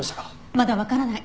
まだわからない。